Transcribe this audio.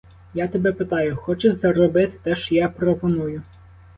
Я тебе питаю: хочеш зробити те, що я пропоную?